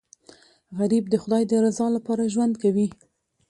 غریب د خدای د رضا لپاره ژوند کوي